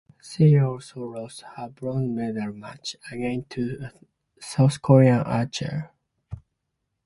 She also lost her bronze medal match, again to a South Korean archer.